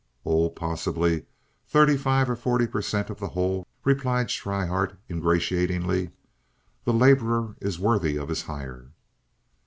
"Oh, possibly thirty five or forty per cent. of the whole," replied Schryhart, ingratiatingly. "The laborer is worthy of his hire."